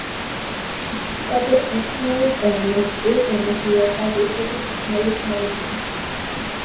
তবে আখড়াই গানের এ জনপ্রিয়তা বেশি দিন স্থায়ী হয়নি।